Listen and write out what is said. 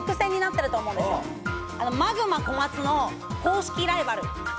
マグマ小松の公式ライバル。